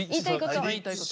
言いたいこと。